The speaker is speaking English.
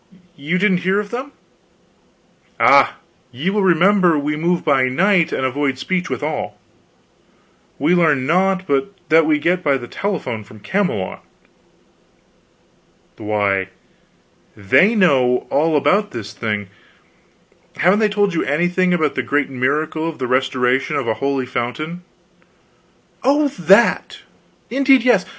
You didn't hear of them?" "Ah, ye will remember we move by night, and avoid speech with all. We learn naught but that we get by the telephone from Camelot." "Why they know all about this thing. Haven't they told you anything about the great miracle of the restoration of a holy fountain?" "Oh, that? Indeed yes.